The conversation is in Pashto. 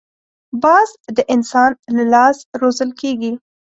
باز د انسان له لاس روزل کېږي